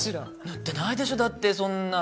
塗ってないでしょだってそんな。